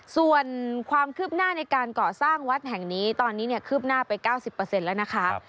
ส่วนความคืบหน้าในการก่อสร้างวัดแห่งนี้ตอนนี้คืบหน้าไป๙๐แล้วนะคะ